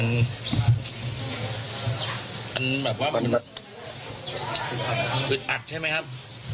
ในใจเราก็คือแบบว่าปรึกตัดใช่ไหมครับ